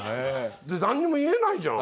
でなんにも言えないじゃん。